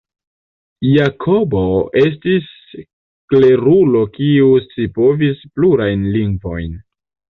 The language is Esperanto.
Jakobo estis klerulo kiu scipovis plurajn lingvojn.